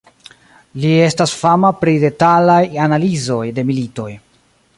Li estas fama pri detalaj analizoj de militoj.